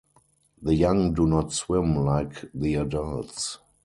The young do not swim like the adults.